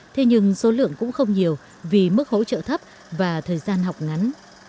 thế nhưng số lượng cũng không nhiều vì mức hỗ trợ thấp và thời gian học ngắn